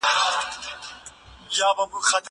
ماته بلا وي د دې سپیني پردې شاته ښکاري